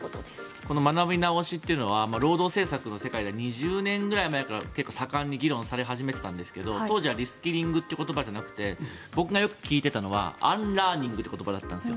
この学び直しというのは労働政策の世界では２０年ぐらい前から結構盛んに議論され始めていたんですが当時はリスキリングという言葉じゃなくて僕がよく聞いていたのはアンラーニングという言葉だったんですよ。